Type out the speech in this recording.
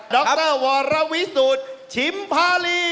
รวรวิสุทธิ์ชิมพารี